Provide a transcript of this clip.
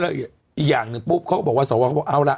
อีกอย่างนึงปุ๊บเขาบอกว่าสวเขาบอกเอาละ